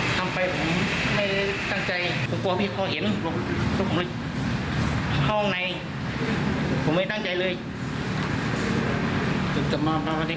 ทำไม้อะไรไม้ทำแค่ร้องเพลงติดกรองเพื่อนไม่เจออย่างสักสิน